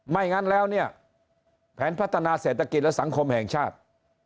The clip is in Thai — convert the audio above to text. ไม่งั้นแล้วเนี่ยแผนพัฒนาเศรษฐกิจและสังคมแห่งชาติ